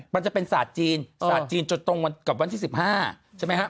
มันจะเป็นศาสตร์จีนศาสตร์จีนจนตรงวันกับวันที่๑๕ใช่ไหมครับ